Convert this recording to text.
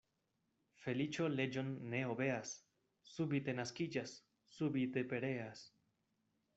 Feliĉo leĝon ne obeas, subite naskiĝas, subite pereas.